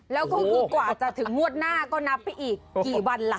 แล้วก็คือกว่าจะถึงงวดหน้าก็นับไปอีกกี่วันล่ะ